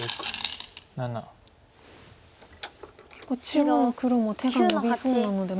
中央の黒も手がのびそうなので。